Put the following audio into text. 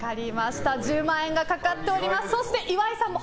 １０万円がかかっております。